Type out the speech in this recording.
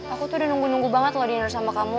aku tuh udah nunggu nunggu banget loh di inner sama kamu